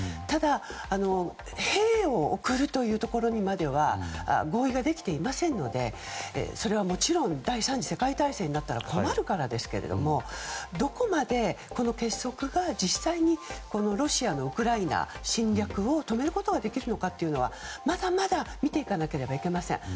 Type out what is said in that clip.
ただ兵を送るというところにまでは合意ができていませんのでそれはもちろん第３次世界大戦になったら困るからですけれどどこまで、この結束が実際にロシアのウクライナ侵略を止めることができるのかというのはまだまだ見ていかなければいけません。